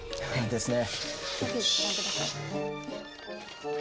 ですね。